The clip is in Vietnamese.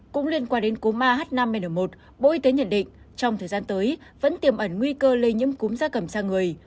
cũng liên quan đến cúm ah năm n một bộ y tế nhận định trong thời gian tới vẫn tiềm ẩn nguy cơ lây nhiễm cúm da cầm sang người